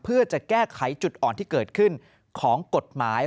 เพื่อจะแก้ไขจุดอ่อนที่เกิดขึ้นของกฎหมาย